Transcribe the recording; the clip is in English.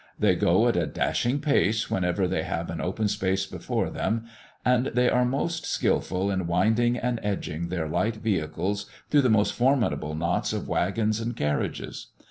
They go at a dashing pace whenever they have an open space before them, and they are most skilful in winding and edging their light vehicles through the most formidable knots of waggons and carriages.